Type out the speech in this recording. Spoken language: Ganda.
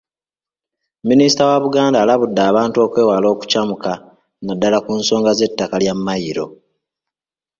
Minisita wa Buganda alabudde abantu okwewala okucamuka naddala ku nsonga z'ettaka lya Mayiro.